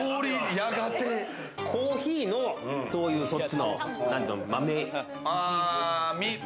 コーヒーのそういうそっちの豆。